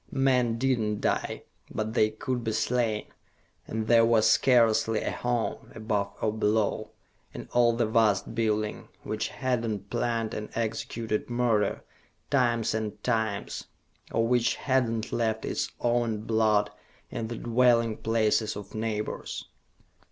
Men did not die, but they could be slain, and there was scarcely a home, above or below, in all the vast building, which had not planned and executed murder, times and times or which had not left its own blood in the dwelling places of neighbors.